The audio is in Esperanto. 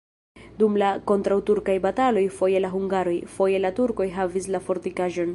Dum la kontraŭturkaj bataloj foje la hungaroj, foje la turkoj havis la fortikaĵon.